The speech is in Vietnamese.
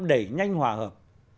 để thóa mạ ông